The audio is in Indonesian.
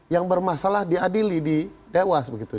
yang bermasalah diadili di dewas begitu